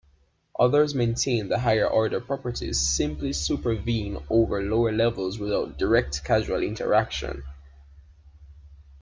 Others maintain that higher-order properties simply supervene over lower levels without direct causal interaction.